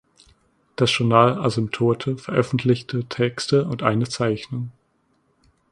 Das Journal Asymptote veröffentlichte Texte und eine Zeichnung.